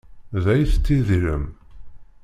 Da i tettidirem?